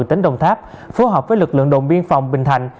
tỉnh đồng tháp phối hợp với lực lượng đồn biên phòng bình thạnh